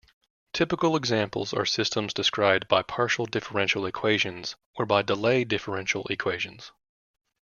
Typical examples are systems described by partial differential equations or by delay differential equations.